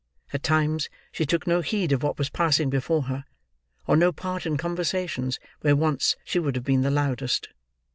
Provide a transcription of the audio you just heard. At times, she took no heed of what was passing before her, or no part in conversations where once, she would have been the loudest.